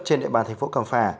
trên địa bàn thành phố cầm pháp